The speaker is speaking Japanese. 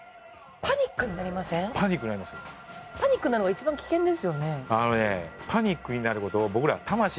パニックになるのが一番危険ですよね？